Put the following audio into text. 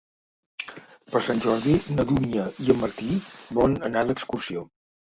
Per Sant Jordi na Dúnia i en Martí volen anar d'excursió.